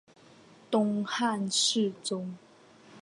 东汉侍中。